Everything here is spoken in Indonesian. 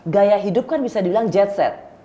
gaya hidup kan bisa dibilang jet set